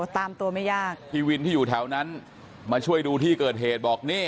ตามตัวไม่ยากแพทย์วิทย์มาช่วยดูที่เกิดเหตุ